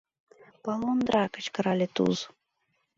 — Полундра! — кычкырале Туз.